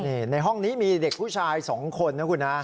นี่ในห้องนี้มีเด็กผู้ชาย๒คนนะคุณฮะ